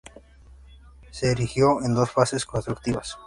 Se erigió en dos fases constructivas.